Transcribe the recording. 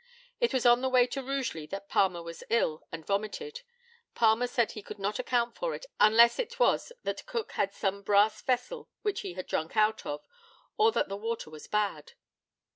It was on the way to Rugeley that Palmer was ill and vomited. Palmer said he could not account for it unless it was that Cook had some brass vessel which he had drank out of, or that the water was bad.